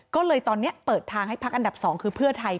ก็เลยตอนนี้เปิดทางให้พักอันดับ๒คือเพื่อไทย